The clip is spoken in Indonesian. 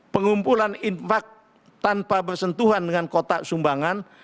pengumpulan infak tanpa bersentuhan dengan kotak sumbangan